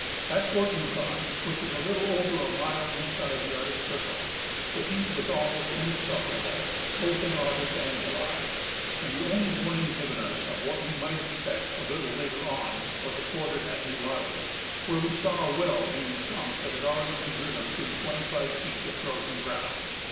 At fort Yukon, which is little over a mile inside the arctic circle, the heat Avas almost insufferable, both in August and Jul}^ ; and the only Avarn ing given us of what Ave might expect a little later on was aftbrded at Nulato, Avhere Ave saAV a Avell being sunk Avhicli had already been driven through tAventy five feet of frozen ground.